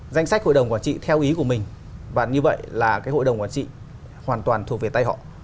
danh sách hội đồng quản trị theo ý của mình và như vậy là cái hội đồng quản trị hoàn toàn thuộc về tay họ